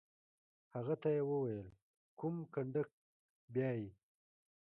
هغه ته یې وویل: کوم کنډک؟ بیا یې.